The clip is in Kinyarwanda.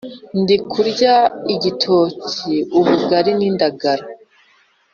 Ndikurya igitoki ubugari n’indagara